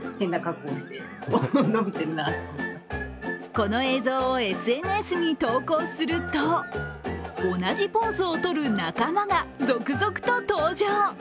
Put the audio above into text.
この映像をＳＮＳに投稿すると同じポーズをとる仲間が続々と登場。